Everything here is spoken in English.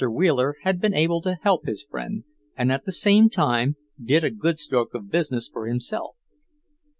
Wheeler had been able to help his friend, and at the same time did a good stroke of business for himself.